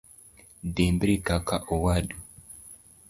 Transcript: Dimbri kaka owadu.